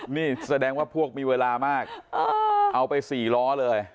นี่แสดงว่าพวกมีเวลามากเอาไป๔ล้อเลย